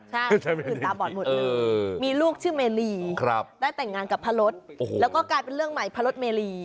ใช่อื่นตาบอดหมดเลยมีลูกชื่อเมรีได้แต่งงานกับพระรสแล้วก็กลายเป็นเรื่องใหม่พระรสเมรี